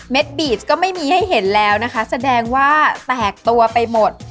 เม็ดบีบก็ไม่มีให้เห็นแล้วแสดงว่าแตกตัวไปหมด